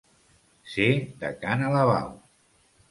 Ser de ca n'Alabau.